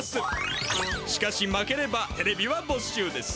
しかし負ければテレビはぼっしゅうです。